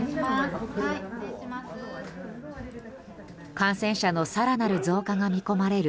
感染者の更なる増加が見込まれる